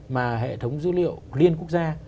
mà hệ thống dữ liệu liên quốc gia